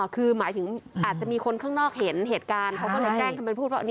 คือหมายถึงอาจจะมีคนข้างนอกเห็นเหตุการณ์เขาก็เลยแจ้งทำเป็นพูดว่า